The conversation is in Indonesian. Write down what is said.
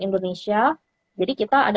indonesia jadi kita ada